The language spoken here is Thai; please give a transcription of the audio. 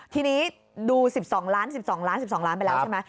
ทีนี้ดู๑๒ล้านไปแล้วใช่ไหม